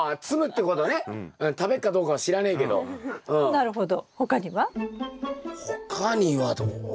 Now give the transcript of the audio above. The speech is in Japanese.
なるほど。